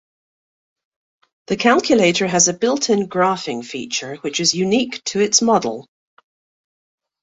The calculator has a built in graphing feature which is unique to its model.